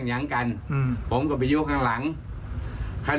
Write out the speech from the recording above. ปลูดแท้งหน่อยเข้าครับว่าอยากสั่งสอนแบบนี้นะแม่